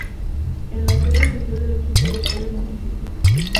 Es la sede oficial del equipo local del municipio.